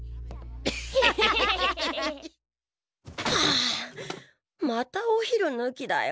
あまたお昼ぬきだよ。